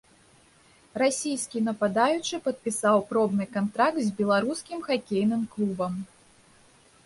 Расійскі нападаючы падпісаў пробны кантракт з беларускім хакейным клубам.